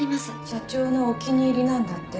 社長のお気に入りなんだって？